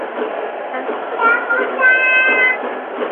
আর কিছু বলতে পারবো না, এখনই তোমার বাবার সাথে কথা বলছি।